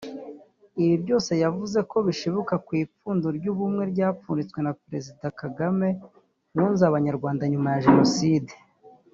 Ibi byose yavuze ko bishibuka ku ipfundo ry’Ubumwe ryapfunditswe na Perezida Kagame wunze Abanyarwanda nyuma ya Jenoside